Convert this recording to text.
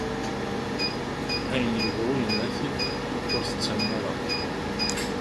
Ayen yebɣu yenna-t-id, ur t-ttamen ara.